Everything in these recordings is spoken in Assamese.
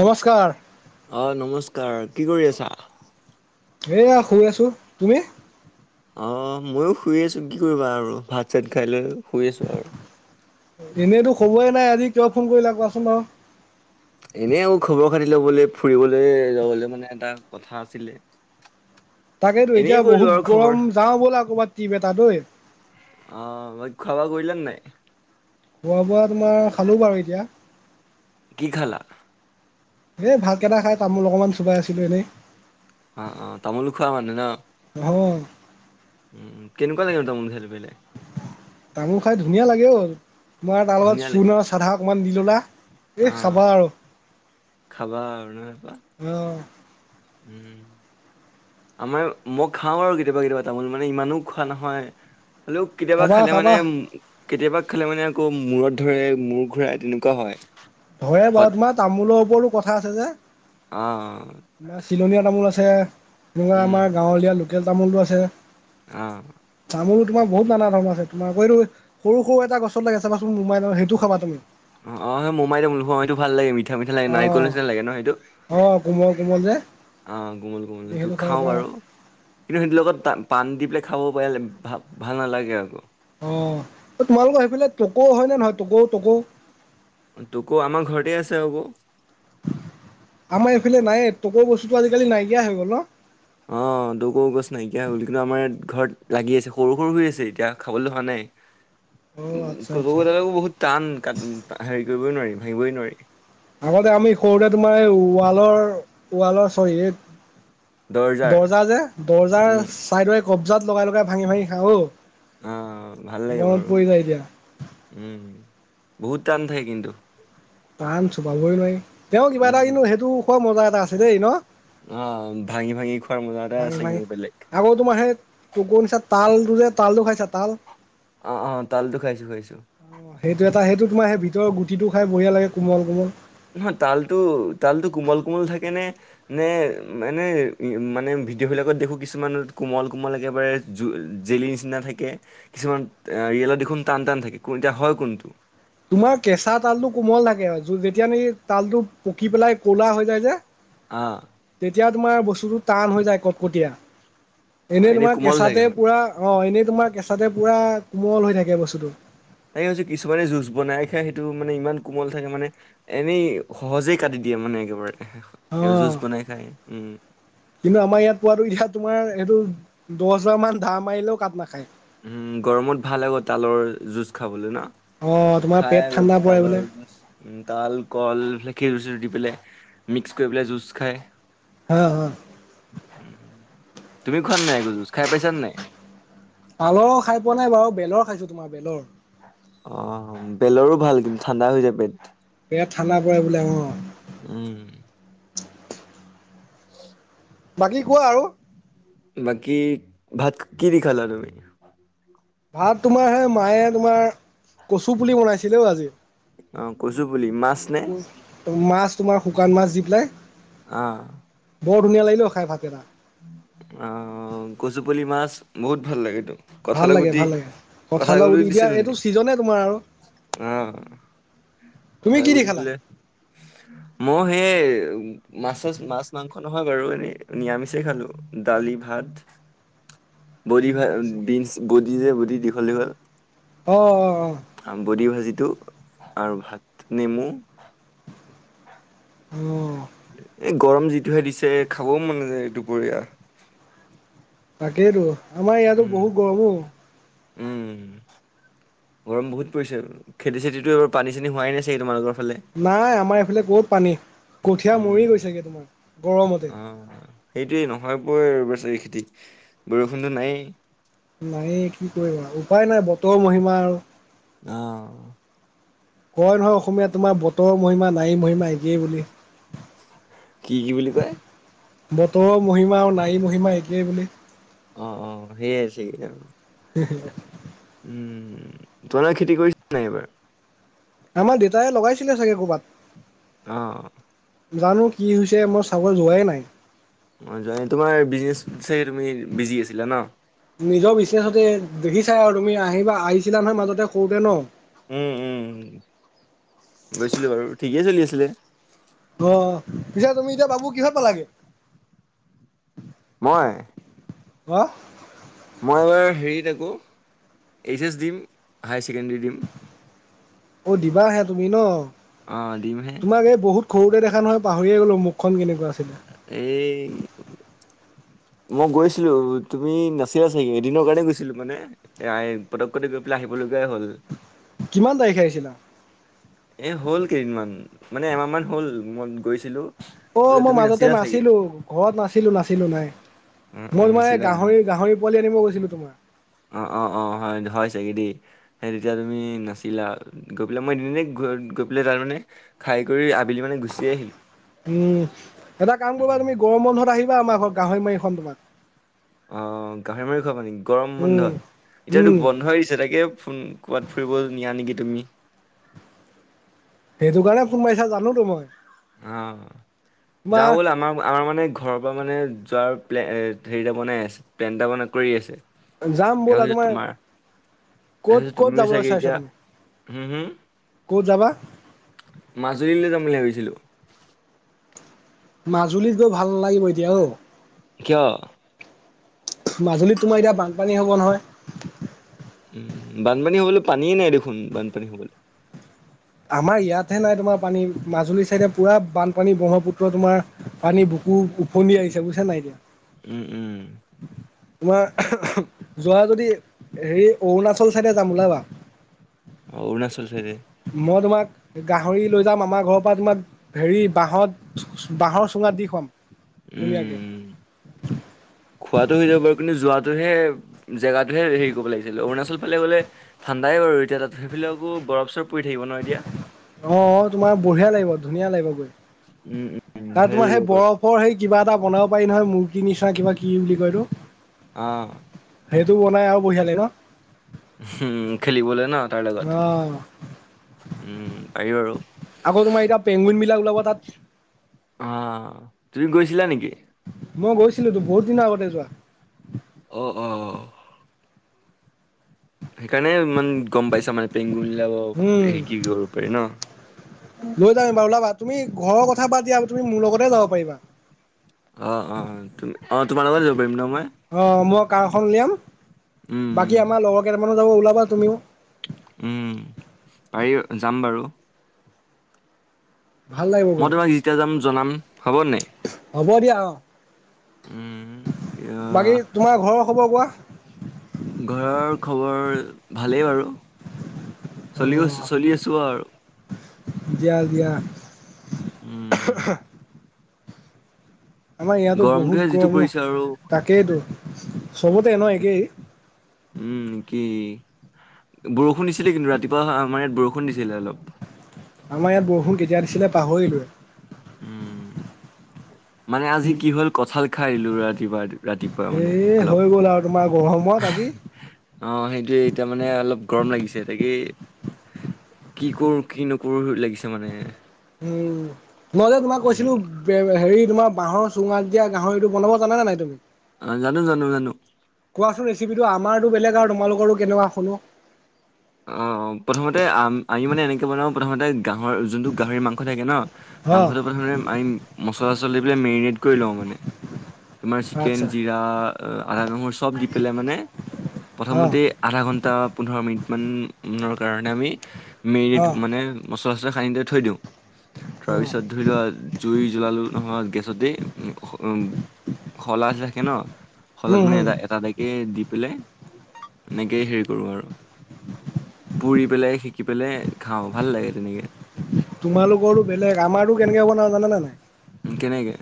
নমস্কাৰ। অ নমস্কাৰ, কি কৰি আছা? এইয়া শুই আছো, তুমি? অ ময়ো শুই আছো কি কৰিবা আৰু ভাত চাত খাই লৈ শুই আছো আৰু। এনেইতো খবৰেই নাই আজি কিয় ফোন কৰিলা কোৱাচোন বাৰু। এনেই আও খবৰ খাতি ল'বলে ফুৰিবলে যাবলে মানে এটা কথা আছিলে। তাকেতো এতিয়া এনেই কৰিলো বহুত আৰু খবৰ গৰম যাওঁ ব'লা কবাত টিপ এটা এ। অঁ ঐ খোৱা বোৱা কৰিলেনে নাই? খোৱা বোৱা তোমাৰ খালোঁ বাৰু এতিয়া। কি খালা? সেই ভাতকেইটা খাই তামোল অকণমান চুবাই আছিলোঁ এনেই। অ অ তামোলো খোৱা মানে ন? অঁ উম কেনেকা লাগে তামোল খাই তোবেলে তামোল খাই ধুনীয়া লাগে অও' তোমাৰ তাৰ লগত ধুনীয়া লাগে চূণ আৰু চাধা অকণমান দি ল'লা। এই অ খাবা আৰু খাবা আৰু নহয় পা অঁ উম। আমাৰ মই খাওঁ আৰু কেতিয়াবা, কেতিয়াবা তামোল মানে ইমানো খোৱা নহয়। হলেও কেতিয়াবা খাবা খালে মানে খাবা উ কেতিয়াবা খালমালে মানে আকৌ মূৰত ধৰে মূৰ ঘূৰাই তেনেকুৱা হয়। হয়ে সদ বাও তোমাৰ তামোলৰ ওপৰতো কথা আছে যে। অ তোমা চিলনীয়া তামোল আছে। এনেকুৱা উম আমাৰ গাঁৱলীয়া লোকেল তামোলটো আছে। আঁ তামোলো তোমাৰ বহুত নানা ধৰণৰ আছে তোমাৰ আকৌ এতো সৰু সৰু এটা গছত লাগে চাবাচোন মোমাই তামোল সেটো খাবা তুমি অঁ অঁ সেই মোমাই তামোল। স সেইটো ভাল লাগে মিঠা মিঠা লাগে অ নাৰিকল নিচনা লাগে ন সেইটো। অ কোমল কোমল যে অঁ, গোমল কোমল তুমি তো সেইটো খাব খাও পাৰা বাৰু কিন্তু সেইটোৰ লগত তা পাণ দি পেলাই খাব পাৰে ভ ভাল নালাগে আকৌ। অঁ তোমালোকৰ সেইফালে টকো হয় নে নহয় টকৌ টকৌ? তোকৌ আমাৰ ঘৰতেই আছে আ'ক আমাৰ এইফালে নাইয়ে তকৌৰ বস্তুটো আজিকালি নাইকিয়া হৈ গ'ল অ। অ টকৌ গছ নাইকিয়া হৈ গ'ল, কিন্তু আমাৰ ইয়াত ঘৰত লাগি আছে সৰু সৰু শুই আছে এতিয়া খাবলৈ হোৱা নাই। উ [inaudible] ওম টকৌতা বহুত টান হেৰি কৰিবই নোৱাৰি ভাঙিবই নোৱাৰি। আগতে আমি সৰুতে তোমাৰ এই ৱালৰ ওৱালৰ চৰি এত দৰজাৰ দৰ্জা যে দৰ্জাৰ উম চাইদৰ এ কবজাত লগাই লগাই ভাঙি ভাঙি খাওঁ অ। অঁ ভাল লাগে মনত বাৰু, পৰি যায় এতিয়া বহুত টান থাকে কিন্তু। টান চোবাবই নোৱাৰি। তেওঁ কিবা এটা উম কিন্তু সেইটো খোৱা মজা এটা আছে দেই ন। অঁ ভাঙি ভাঙি খোৱাৰ মজা এটা ভাঙি আছে ভাঙি কিন্তু বেলেগ। আকৌ তোমাৰ সেই তোকৌ নিচনা তাল যে তালটো খাইছা তাল? অঁ অঁ তালটো খাইছো খাইছো। সেইটো এটা সেইটো তোমাৰ ভিতৰৰ গুটিটো খাই বঢ়িয়া লাগে কোমল কোমল। নহয় তালটো, তালটো কোমল- কোমল থাকে নে? নে এনেই, মানে ভিডিঅ' বিলাকত দেখো কিছুমানত কোমল কোমল একেবাৰে জু জেলি নিচিনা থাকে কিছুমান ৰিয়েলত দেখোন টান টান থাকে কোন এতিয়া হয় কোনটো? তোমাৰ কেঁচা তালটো কোমল থাকে আও যেতিয়া নেকি তালটো পকি পেলাই ক'লা হৈ যায় যে। আঁ তেতিয়া তোমাৰ বস্তুটো টান হৈ যায়, কটকটীয়া। অ', এনেই তোমাৰ কোমল থাকে কেঁচাতে মানে। পুৰা অঁ, এনেই তোমাৰ কেঁচাতে পুৰা কোমল হৈ থাকে বস্তুটো। তাকে ভাবিছো কিছুমানে জুজ বনাই খাই, সেইটো মানে ইমান কোমল থাকে মানে এনেই সহজেই কাটি দিয়ে মানে একেবাৰে, অ জুচ বনাই খাই উম। কিন্তু আমাৰ ইয়াত পোৱাটো এতিয়া তোমাৰ এটো দছবাৰ মান দা মাৰিলেও কাট নাখায়। উম গৰমত ভাল আ তালৰ জুচ খাবলৈ ন অ তোমাৰ পেট ঠাণ্ডা পৰে বোলে তাল কল সেই জুচটো দি পেলাই মিক্স কৰি পেলাই জুইচ খায় হ হ উ তুমি খোৱা নাই জুজ খাই পাইছা ন নাই। পালৰ খাই পোৱা নাই বাৰু বেলৰ খাইছো তোমাৰ বেলৰ অ বেলৰো ভাল কিমু ঠাণ্ডা হৈ যায় পেট বিৰাট ঠাণ্ডা পৰে বোলে অ উম উ বাকী কোৱা আৰু বাকী ভাত কি দি খালালা তুমি। ভাত তোমাৰ হে মায়ে তোমাৰ কচু পুলি বনাইছিলেও আজি অ কচু বুলি মাছ নে মাছ তোমাৰ শুকান মাছ দি পেলাই। অ বৰ ধুনীয়া লাগিলে খাই ভাত এটা অ কচু পুলি মাছ বহুত ভাল লাগেতো ভাল কঠালৰ লাগে গুটি ভাল লাগে কঠাল কঠালৰ গুটি এতিয়া দিছিল নি? এইটো ছিজনে তোমাৰ আৰু অ তুমি কি দি খালা? কথাৰে মই সেই মাছ মাছ মাংস নহয় বাৰু এনে নিৰামিষ পছে খালো দালি ভাত বডি ভাল আচ্ছা বিন বডি যে বডি দীঘল দীঘল অ অ অ বডি ভাজিটো আৰু ভাত নেমু অঁ এ গৰম যিটোহে দিছে খাবও মন নযায় দুপৰীয়া তাকেইতো আমাৰ ইয়াতো উম বহুত গৰমো উম গৰম বহুত পৰিছে খেতি চেতিটোব পানী চানী হোৱাই নাই ছাগে তোমালোকৰ ফালে নাই আমাৰ এইফালে ক'ত পানী কঠীয়া উম মৰি গৈছেগৈ তোমাৰ গৰমতে। অ সেইটোৱে নহয় বব চাৰী খেতি বৰষুণটো নাইয়ে নাই কি কৰিবা উপায় নাই বতৰ মহিমা আৰু অ কয় নহয় অসমীয়া তোমাৰ বতৰ মহিমা নাৰী মহিমা একেই বুলি। কি কি বুলি কয়। বতৰৰ মহিমা আৰু নাৰী মহিমা একেই বুলি। অ অ সেইয়াই আছে আৰু হুম হু উম তোলাৰ খেতি কৰিছা নাই এইবাৰ আমাৰ দেউতায়ে লগাইছিলে চাগে কৰ'বাত অঁ জানো কি হৈছে মই চাবৰ যোৱাই নাই। অঁ যোৱা তোমাৰ বিজনেছ চাগে তুমি বিজি আছিলা ন। নিজৰ বিচনেছতে দেখি চাই আৰু তুমি আহিবা আহিছিলা নহয় মাজতে কৰোতে ন উম উম গৈছিলো বাৰু ঠিকেই চলি আছিলে। অ' পিছো তুমি এতিয়া বাবু কিহৰ পালাগে। মই। অঁ। মই এইবাৰ হেৰিত আকো এইচ এছ দিম হাই ছেকেণ্ডৰী দিম। অ' দিবাহে তুমি ন, অ দিমহে তোমাক এই বহুত। সৰুতে দেখা নহয় পাহৰিয়ে গ'লো মুখনকেনেকুৱা আছিল। এই। মই গৈছিলো তুমি নাছিলা চাগে, এদিনৰ কাৰণে গৈছিলো মানে। এ'পটকট গৈ পেলাই আহিবলগাই হ'ল। কিমান তাৰিখে আহিছিলা? এ হ'ল কেইদিনমান, মানে এমাহমান হ'ল মই গৈছিলো। বোলে অ' মই তুমি মাজতে নাছিলা চাগে নাছিলো ঘৰত নাছিলো অ নাছিলো নাই। অ মই মানে এই নাছিলা তুমি গাহৰি গাহৰি পোৱালি আনিব গৈছিলোঁ তোমাৰ। অঁ অঁ অঁ হয় হয় চাগে দেই। সেই তেতিয়া তুমি নাছিলা, গৈ পেলাই মই এনেই। গৈ পেলাই তাৰমানে খাই কৰি আবেলি মানে গুচি আহিলোঁ। উম, এটা কাম কৰিবা তুমি গৰম বন্ধত আহিবা আমাৰ ঘৰত গাহৰি মাৰি খুৱাম তোমাক। অ' গাহৰি মাৰি খুৱাবা নেকি, গৰম উম, বন্ধত এতিয়াতো উম, বন্ধই দিছে তাকে ফোন। ক'ৰবাত ফুৰিব নিয়া নেকি তুমি। সেইটো কাৰণে ফোন মাৰিছা জানো তো মই। অ' তোমাৰ যাওঁ বলা আমাৰ আমাৰ মানে। ঘৰৰ পৰা মানে যোৱাৰ প্লে হেৰিটা বনাই আছে, প্লেন এটা মনত পৰি আছে। যাম ব'লা তোমাৰ। ক'ত তাৰপিছত ক'ত তুমিও যাবলৈ চাগে চাইছা এতিয়া তুমি হম হম ক'ত যাবা? মাজুলীলৈ যাম বুলি ভাবিছিলোঁ। মাজুলীত গৈ ভাল নালাগিব এতিয়া অ'। কিয়? মাজুলীত তোমাৰ এতিয়া বানপানী হ'ব নহয়। উম, বানপানী হবলৈ পানীয়ে নাই দেখোন, বানপানী হবলৈ। আমাৰ ইয়াতহে নাই তোমাৰ পানী, মাজুলীৰ চাইডে পূৰা বানপানী ব্ৰহ্মপুত্ৰ তোমাৰ। পানী বুকু উফণ্ডি আহিছে বুজছা নাই এতিয়া। উম উম। [inaudible] তোমাৰ যোৱা যদি হেৰি অৰুণাচল চাইডে যাম ওলাবা। অঁ অৰুণাচল চাইডে। মই তোমাক গাহৰি লৈ যাম আমাৰ ঘৰৰ পৰা তোমাক। হেৰি বাহত বাঁহৰ চুঙাত দি খুৱাম। উম ধুনীয়াকে উম। [inaudible] খোৱাতটো হৈ যাব বাৰু কিন্তু যোৱাটোহে জেগাটোহে হেৰি কৰিব লাগিছিল অৰুণাচল ফালে গ'লে। ঠাণ্ডাই বাৰু এতিয়া তাত সেইফালে আকৌ বৰফ চৰফ পৰি থাকিব ন এতিয়া। অ' তোমাৰ বঢ়িয়া লাগিব ধুনীয়া লাগিব গৈ উম উম তাৰ ভালে তোমাৰ লাগিব সেই বাৰু। বৰফ। অঁ সেই কিবা এটা বনাব পাৰি নহয়, মূৰ্গীৰ নিচিনা কিবা কি বুলি কয় এইটো। অঁ। সেইটো বনাই আৰু বঢ়িয়া লাগে ন। উম খেলিবলৈ ন তাৰ লগত, অ', উম পাৰি বাৰু। আক তোমাৰ এতিয়া- পেংগুইন বিলাক ওলাব তাত। অঁ গৈছিলা নেকি? মই গৈছিলো তো, বহুত দিনৰ আগতে যোৱা। অঁ অঁ। সেইকাৰণে ইমান গম পাইছা মানে পেংগুইন ওলাব, উম, হে কি কৰিব পাৰি ন। লৈ যাম এবাৰ ওলাবা। তুমি ঘৰৰ কথা বাদ দিয়া, তুমি মোৰ লগতে যাব পাৰিবা। অঁ অঁ অঁ তুমি, অঁ তোমাৰ লগত যাব পাৰিম ন মই। অঁ মই কাৰখন উলিয়াম, উম বাকী আমাৰ লগৰ কেইটামানো যাব, ওলাবা তুমিও। উম পাৰি, যাম বাৰু। ভাল লাগিব মই গৈ, তোমাক যেতিয়া যাম জনাম হ'ব নাই হ'ব দিয়া অ। উম ইয়া বাকী তোমাৰ ঘৰৰ খবৰ কোৱা? ঘৰৰ খবৰ ভালেই বাৰু। চলি অ', চলি আছো আৰু। দিয়া দিয়া উম। আমাৰ ইয়াতো বহুত গৰমটোহে যিটো গৰম অও। পৰিছে আৰু তাকেইতো চবতে ন উম একেই। উম কি, বৰষুণ দিছিলে কিন্তু ৰাতিপুৱা আমাৰ ইয়াত বৰষুণ দিছিলে অলপ। আমাৰ ইয়াত বৰষুণ কেতিয়া দিছিলে পাহৰিলোৱে। উম। মানে আজি কি হ'ল কঁঠাল খাইলো ৰাতিপুৱা ৰাতিপুৱা মানে এ অলপ। হৈ গ'ল আৰু তোমাৰ গৰমত আজি। অঁ সেইটোয়ে, এতিয়া মানে অলপ গৰম লাগিছে। তাকে- কি কৰো, কি নকৰো লাগিছে মানে। উম, মই যে তোমাক উম কৈছিলোঁ- হেৰি তোমাৰ বাঁহৰ চুঙাত দিয়া গাহৰি, এইটো বনাব জাননে নাই তুমি? অঁ জানো, জানো, জানো। কোৱাচোন ৰেচিপিটো, আমাৰটো বেলেগ আৰু তোমালোকৰটো কেনেকোৱা শুনো। অঁ, প্ৰথমতে আম আমি মানে এনেকে বনাওঁ প্ৰথমতে- গাঁহৰ যোনটো গাহৰি মাংস থাকে ন, অ মাংসটো প্ৰথমে আমি- মচলা চচলা বিলাক দি পেলাই মেৰিনেট কৰি লওঁ, মানে তোমাৰ চিকেন, আচ্ছা জিৰা, আদা, নহৰু- চব দি পেলাই মানে অ প্ৰথমতে আধা ঘন্টা, পোন্ধৰ মিনিট- মানৰ কাৰণে আমি মেৰিনেট অ মানে মচলা চচলা সানি থৈ দিওঁ। অ তাৰপিছত ধৰি লোৱা জুই জ্বলালো নহয় গেছতে উম। শলা থাকে ন। শলাত উম মানে হুম এটা এটা এটাইকেই দি পেলাই, এনেকেই হেৰি কৰোঁ আৰু। পুৰি পেলাই, শিকি পেলাই খাওঁ ভাল লাগে তেনেকে। তোমালোকৰো বেলেগ, আমাৰটো কেনেকে বনাওঁ জানানে নাই? কেনেকে?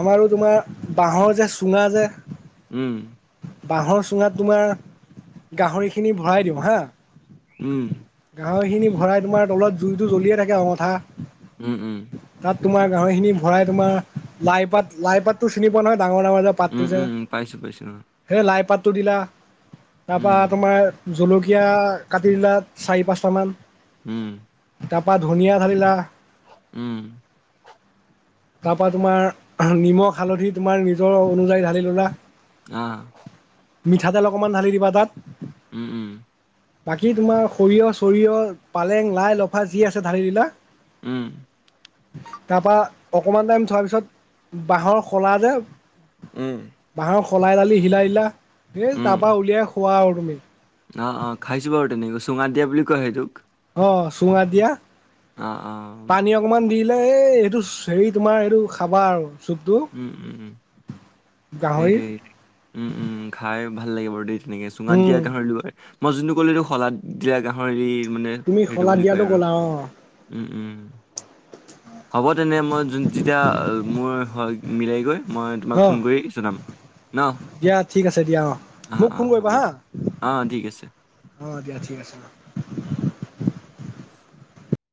আমাৰো তোমাৰ বাঁহৰ যে, চুঙা যে- উম। বাঁহৰ চুঙাত তোমাৰ গাহৰিখিনি ভৰাই দিওঁ হা। উম। গাহৰিখিনি ভৰাই তোমাৰ তলত জুইটো জ্বলিয়ে থাকে অঙঠা। উম উম। তাত তোমাৰ গাহৱৰি খিনি ভৰাই তোমাৰ লাই পাত লাই পাততো চিনি পোৱা নহয় ডাঙৰ ডাঙৰ যে উম উম উম পাইছো পাইছো অ এ লাই পাতটো দিলা তাৰপৰা উম, তোমাৰ জলকীয়া কাটি দিলা চাৰি, পাঁচটামান উম তাপা ধুনীয়া কাটিলা উম তাৰপৰা তোমাৰ নিমখ, হালধি তোমাৰ নিজৰ অনুযায়ী ঢালি ল'লা অ মিঠাতেল অকণমান ঢালি দিবা তাত। উম উম বাকী তোমাৰ সৰিয়হ চৰিয়হ, পালেং, লাই, লফা যি আছে ঢালি দিলা উম তাৰ পা অকমান টাইম থোৱাৰ পিছত বাঁহৰ শলা যে উম বাঁহৰ সলাই দালি হিলা হিলা হে উম, তাৰ পা উলিয়াই খোৱা আৰু তুমি অ অ খাইছোঁ বাৰু তেনেকৈ চুঙাত দিয়া বুলি কয় সেইটোক। অ চুঙাত দিয়া অ অ পানী অকমান দি দিলে এই এইটো হেৰি তোমাৰ এইটো খাবা আৰু চুপটো উম উম উম গাহৰিৰ সেইটোৱেই দি উম উম উম খাই ভাল লাগিব বাৰু দেই তেনেকে চুঙাত উম দিয়া গাহৰি লয় মই যোনটো কলো এইটো শলাত এতিয়া গাহৰি মানে তুমি হেটো শলাদ বুলি কয় দিয়াটো আৰু ক'লা অ উম উম হ'ব তেনে মই যোন যেতিয়া মোৰ হৈ মিলাই গৈ মই তোমাক অ ফোন কৰি জনাম ন দিয়া ঠিক আছে দিয়া অ মোক অ, ফোন কৰিবা হ'ব হা দিয়া অ, ঠিক আছে। অ দিয়া ঠিক আছে অ উম